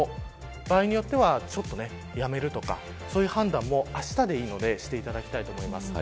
場合によってはやめるとかそういう判断もあしたでいいのでしていただきたいです。